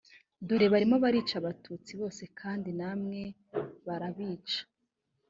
dore barimo barica abatutsi bose kandi namwe barabica